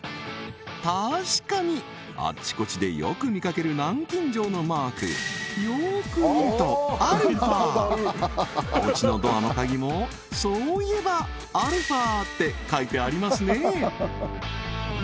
確かにあちこちでよく見かける南京錠のマークよーく見るとアルファそういえばアルファって書いてありますね